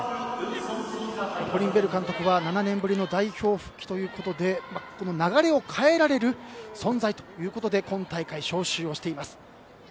コリン・ベル監督は７年ぶりの代表復帰ということで流れを変えられる存在ということで今大会、招集をしています。